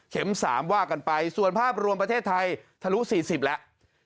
๓ว่ากันไปส่วนภาพรวมประเทศไทยทะลุ๔๐แล้ว